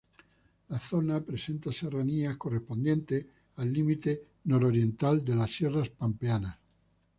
La zona presenta serranías, correspondientes al límite nororiental de las Sierras Pampeanas.